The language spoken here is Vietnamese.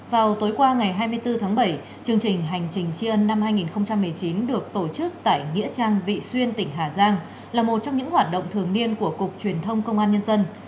vào tối qua ngày hai mươi bốn tháng bảy chương trình hành trình chi ân năm hai nghìn một mươi chín được tổ chức tại nghĩa trang vị xuyên tỉnh hà giang là một trong những hoạt động thường niên của cục truyền thông công an nhân dân